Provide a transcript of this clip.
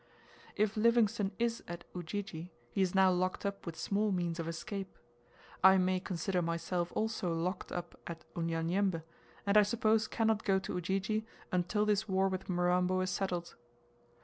If Livingstone is at Ujiji, he is now locked up with small means of escape. I may consider myself also locked up at Unyamyembe, and I suppose cannot go to Ujiji until this war with Mirambo is settled.